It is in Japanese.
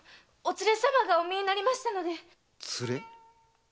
連れ？